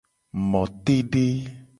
Motede.